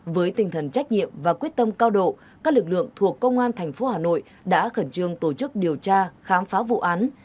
với tinh thần trách nhiệm và quyết tâm cao độ các lực lượng thuộc công an tp hà nội đã khẩn trương tổ chức điều tra khám phá vụ án